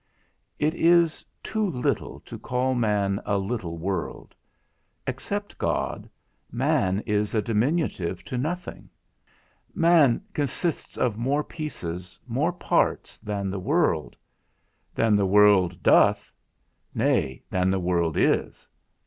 It is too little to call man a little world; except God, man is a diminutive to nothing. Man consists of more pieces, more parts, than the world; than the world doth, nay, than the world is.